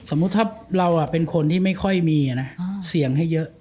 สมมุติถ้าเราเป็นคนที่ไม่ค่อยมีเนี่ยนะเสี่ยงให้เยอะ